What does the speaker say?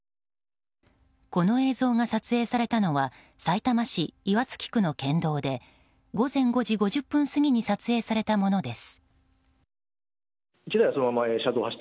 この映像が撮影されたのはさいたま市岩槻区の県道で午前５時５０分過ぎに撮影されたものです。